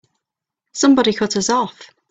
Somebody cut us off!